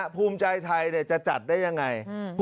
ภูมิใจไทยจะจัดได้ยังไง